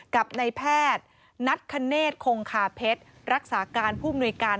กับในแพทย์นัทคเนธคงคาเพชรรักษาการผู้มนุยการ